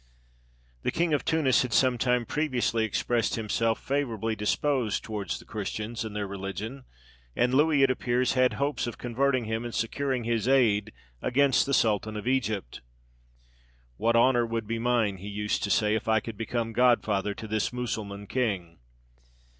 The king of Tunis had some time previously expressed himself favourably disposed towards the Christians and their religion, and Louis, it appears, had hopes of converting him, and securing his aid against the sultan of Egypt. "What honour would be mine," he used to say, "if I could become godfather to this Mussulman king!"